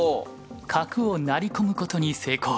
角を成り込むことに成功。